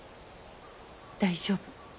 大丈夫。